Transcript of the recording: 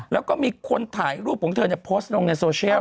แล้วก็มีคนถ่ายรูปของเธอโพสต์ลงในโซเชียล